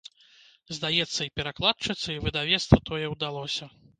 Здаецца, і перакладчыцы, і выдавецтву тое ўдалося.